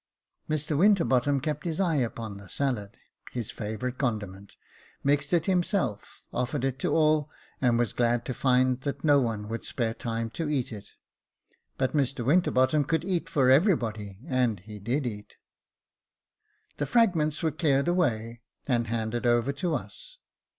Mr Winterbottom kept his eye upon the salad, his favourite condiment, mixed it himself, offered it to all, and was glad to find that no one would spare time to eat it ; but Mr Winterbottom could eat for every body, and he did eat. The fragments were cleared away, and handed over to us.